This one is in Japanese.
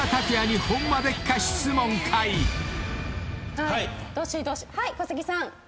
はい小杉さん。